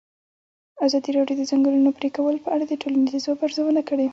ازادي راډیو د د ځنګلونو پرېکول په اړه د ټولنې د ځواب ارزونه کړې.